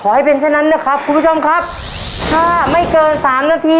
ให้เป็นเช่นนั้นนะครับคุณผู้ชมครับถ้าไม่เกินสามนาที